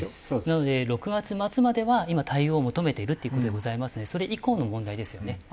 なので６月末までは今対応を求めてるっていう事でございますのでそれ以降の問題ですよね。